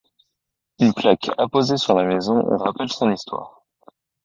Une plaque apposée sur la maison rappelle son histoire.